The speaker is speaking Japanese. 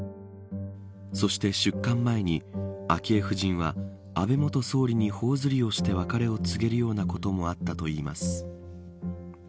そして出棺前に、昭恵夫人は安倍元総理に頬ずりをして別れを告げるようなこともあったといいます。